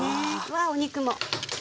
わあお肉も。